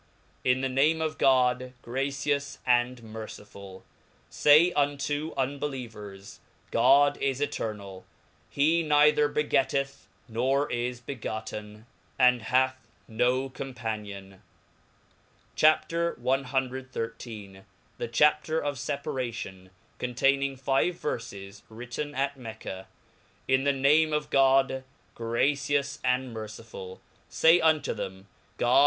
TN the name of God, gracious and merciftiU Say unto • 1 unbelievers, God is eternall, he neither begettcth, noi is begotten, and hath no companion. CHAP. CXIII. r%e Chapter of Separation^ containing five Verfes. \^ritten at Mecca. TN the name of God , gracions and •nercj.l] Say unto ^rhem God.